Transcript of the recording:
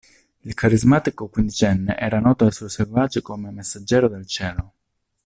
Il carismatico quindicenne era noto ai suoi seguaci come "messaggero del cielo".